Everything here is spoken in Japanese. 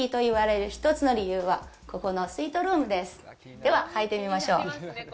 では、入ってみましょう。